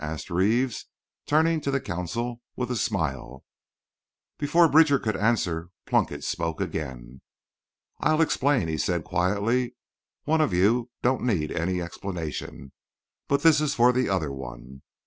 asked Reeves, turning, to the consul with a smile. Before Bridger could answer Plunkett spoke again. "I'll explain," he said, quietly. "One of you don't need any explanation, but this is for the other one.